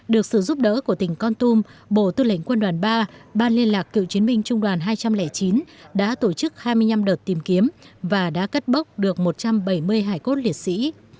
được sự giúp đỡ của tỉnh con tum bộ tư lệnh quân đoàn ba ban liên lạc cựu chiến binh trung đoàn hai trăm linh chín đã tổ chức hai mươi năm đợt tìm kiếm và đã cất bốc được một trăm bảy mươi hải cốt liệt sĩ